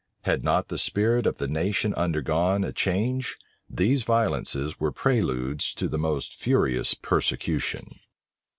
Had not the spirit of the nation undergone a change, these violences were preludes to the most furious persecution.